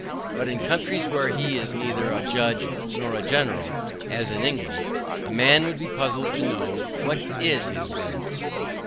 But in countries where he is neither a judge nor a general, as in England, a man would be puzzled to know what IS his business.